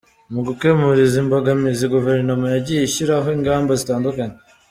Mu gukemura izi mbogamizi Guverinoma yagiye ishyiraho ingamba zitandukanye.